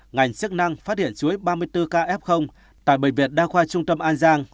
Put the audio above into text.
ngành sức năng phát hiện chuối ba mươi bốn kf tại bệnh viện đa khoa trung tâm an giang